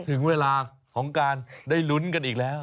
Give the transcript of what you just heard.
ถึงเวลาของการได้ลุ้นกันอีกแล้ว